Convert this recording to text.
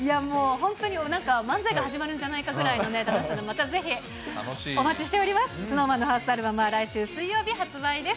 本当になんか、漫才が始まるんじゃないかぐらいの楽しさで、またぜひおまちしております。